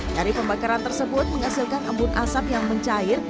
dari pembakaran tersebut menghasilkan embun asap yang mencair